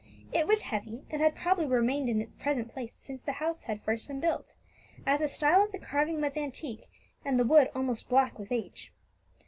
It was heavy, and had probably remained in its present place since the house had first been built, as the style of the carving was antique, and the wood almost black with age.